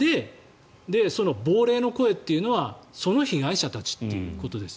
その亡霊の声っていうのは被害者たちっていうことです。